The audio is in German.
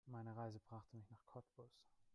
Meine Reise brachte mich nach Cottbus